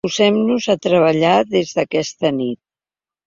Posem-nos a treballar des d’aquesta nit.